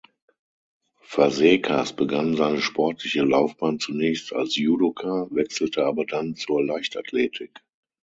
Fazekas begann seine sportliche Laufbahn zunächst als Judoka, wechselte aber dann zur Leichtathletik.